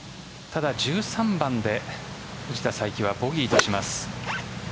ただ１３番で藤田さいきはボギーとします。